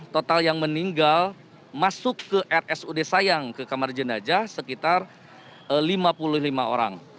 total yang meninggal masuk ke rsud sayang ke kamar jenajah sekitar lima puluh lima orang